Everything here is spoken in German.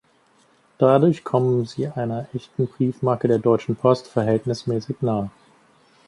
Dadurch kommen sie einer echten Briefmarke der Deutschen Post verhältnismäßig nahe.